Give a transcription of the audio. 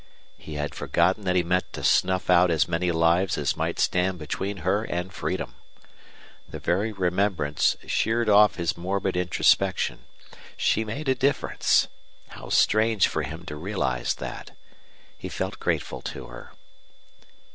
He had forgotten that he meant to snuff out as many lives as might stand between her and freedom. The very remembrance sheered off his morbid introspection. She made a difference. How strange for him to realize that! He felt grateful to her.